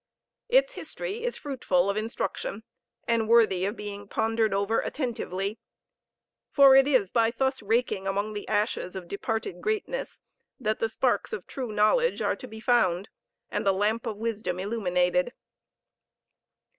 Its history is fruitful of instruction, and worthy of being pondered over attentively; for it is by thus raking among the ashes of departed greatness that the sparks of true knowledge are to be found and the lamp of wisdom illuminated.